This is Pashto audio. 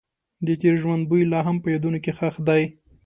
د تېر ژوند بوی لا هم په یادونو کې ښخ دی.